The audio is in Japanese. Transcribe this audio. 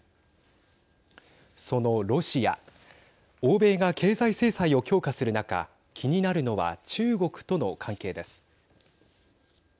そのロシア欧米が経済制裁を強化する中気になるのは中国との関係です。